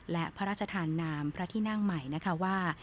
และพระราชทานนามพระที่นั่งใหม่นะคะว่า